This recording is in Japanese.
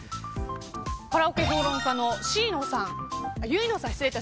カラオケ評論家の唯野さん。